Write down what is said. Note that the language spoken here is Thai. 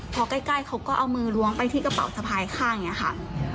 พอใกล้เขาก็เอามือล้วงไปที่กระเป๋าสะพายข้างอย่างนี้ค่ะ